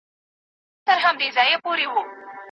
هغه به سبا خپل امتحان ورکړي.